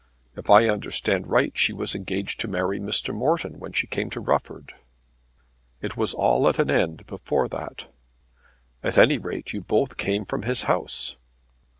"If I understand right she was engaged to marry Mr. Morton when she came to Rufford." "It was all at an end before that." "At any rate you both came from his house."